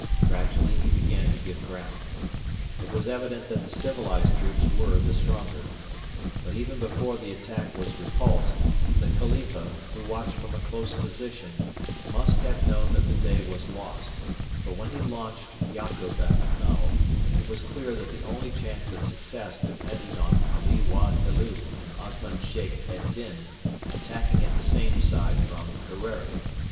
Gradually he began to give ground. It was evident that the civilised troops were the stronger. But even before the attack was repulsed, the Khalifa, who watched from a close position, must have known that the day was lost; for when he launched Yakub at MacDonald, it was clear that the only chance of success depended on Ali Wad Helu and Osman Sheikh ed Din attacking at the same time from Kerreri.